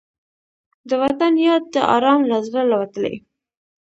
د وطن یاد دې ارام له زړه لوټلی